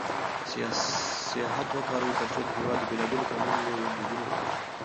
سیاحت وکاروئ ترڅو د هېواد د بېلابېلو قومونو له دودونو خبر شئ.